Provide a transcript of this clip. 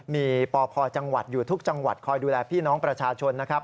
มีปพจังหวัดอยู่ทุกจังหวัดคอยดูแลพี่น้องประชาชนนะครับ